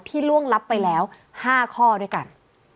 ล่วงลับไปแล้ว๕ข้อด้วยกัน